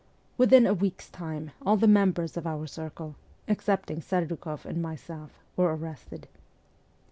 Within a week's time all the members of our circle, excepting Serdukoff and myself, were arrested.